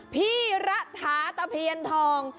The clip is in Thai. พี่ระถาตะเพียนทอง